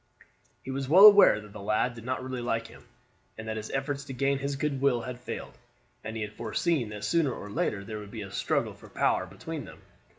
He was well aware that the lad did not really like him, and that his efforts to gain his good will had failed, and he had foreseen that sooner or later there would be a struggle for power between them.